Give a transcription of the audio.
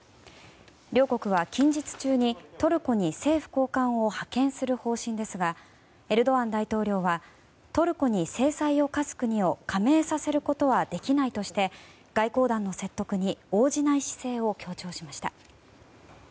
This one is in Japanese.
両国は近日中にトルコに政府高官を派遣する方針ですがエルドアン大統領はトルコに制裁を科す国を加盟さすことができないとして外交団の説得に応じない姿勢を強調しました。